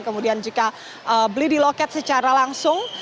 kemudian jika beli di loket secara langsung